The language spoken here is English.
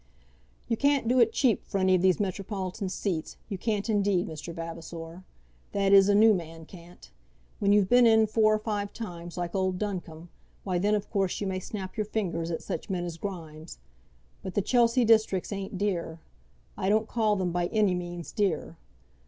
"You can't do it cheap for any of these metropolitan seats; you can't, indeed, Mr. Vavasor. That is, a new man can't. When you've been in four or five times, like old Duncombe, why then, of course, you may snap your fingers at such men as Grimes. But the Chelsea districts ain't dear. I don't call them by any means dear.